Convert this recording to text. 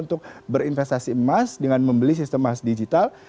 untuk berinvestasi emas dengan membeli sistem emas digital